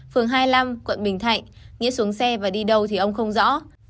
phường hai mươi năm quận bình thạnh nghĩa xuống xe và đi đâu thì ông không rõ